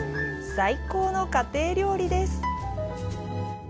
最高の家庭料理です。